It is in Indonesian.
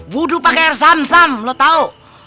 budu pakai air samsam lu tau